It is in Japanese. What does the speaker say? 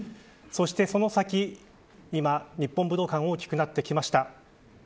そしてその先、今、日本武道館が大きくなってきました。